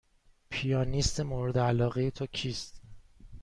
پیانیست مورد علاقه تو کیست؟